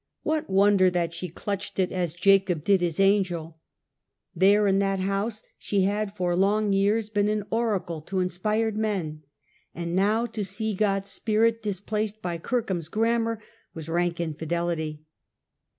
What wonder that she clutched it as Jacob did his angel? There in that house she had for long years been an oracle to inspired men, and now to see God's Spirit displaced by Kirkham's grammar was rank infidelity.